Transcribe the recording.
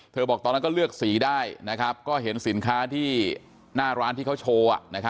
บอกตอนนั้นก็เลือกสีได้นะครับก็เห็นสินค้าที่หน้าร้านที่เขาโชว์